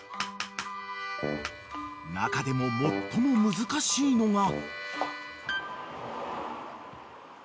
［中でも最も難しいのが］